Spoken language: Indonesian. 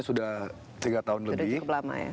sudah tiga tahun lebih sudah cukup lama ya